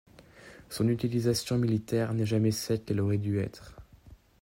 Son utilisation militaire n'est jamais celle qu'elle aurait dû être.